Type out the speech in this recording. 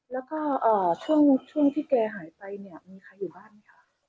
แล้วก็ช่วงที่แกหายไปเนี่ยมีใครอยู่บ้านไหมคะ